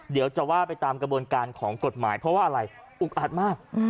เดี๋ยวจะว่าไปตามกระบวนการของกฎหมายเพราะว่าอะไรอุกอัดมาก